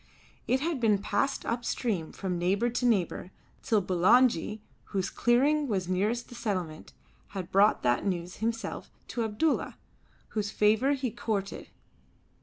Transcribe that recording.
It had been passed up stream from neighbour to neighbour till Bulangi, whose clearing was nearest to the settlement, had brought that news himself to Abdulla whose favour he courted.